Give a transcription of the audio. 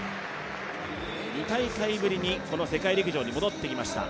２大会ぶりにこの世界陸上に戻ってきました。